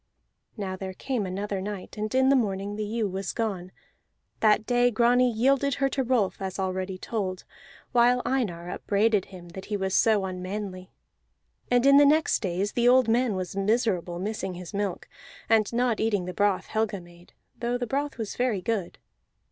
Now there came another night, and in the morning the ewe was gone; that day Grani yielded her to Rolf, as already told, while Einar upbraided him that he was so unmanly. And in the next days the old man was miserable, missing his milk, and not eating the broth Helga made, though the broth was very good.